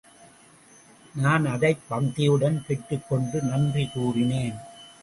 நான் அதைப் பக்தியுடன் பெற்றுக் கொண்டு நன்றி கூறினேன்.